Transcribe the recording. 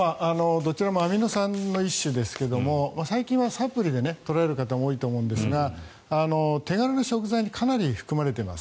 どちらもアミノ酸の一種ですけども最近はサプリで取られる方も多いと思うんですが手軽な食材にかなり含まれています。